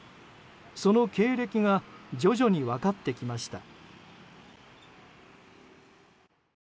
その経歴が徐々に分かってきました。